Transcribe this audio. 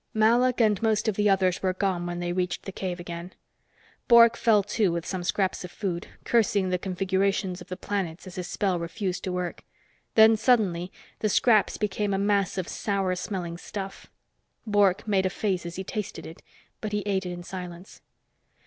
Malok and most of the others were gone when they reached the cave again. Bork fell to work with some scraps of food, cursing the configurations of the planets as his spell refused to work. Then suddenly the scraps became a mass of sour smelling stuff. Bork made a face as he tasted it, but he ate it in silence.